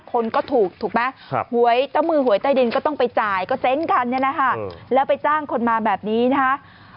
คนก็ถูกถูกไหมหวยเจ้ามือหวยใต้ดินก็ต้องไปจ่ายก็เจ๊งกันเนี่ยนะคะแล้วไปจ้างคนมาแบบนี้นะคะ